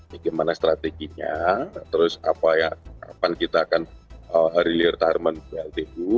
bagaimana strateginya terus apa yang kapan kita akan re retirement pltu